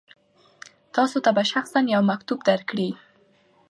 تاسو ته به شخصا یو مکتوب درکړي.